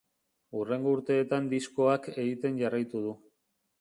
Hurrengo urteetan diskoak egiten jarraitu du.